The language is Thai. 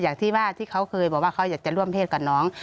อย่างที่ว่าที่เขาเคยบอกว่าเขาอยากจะร่วมเพศกับน้อง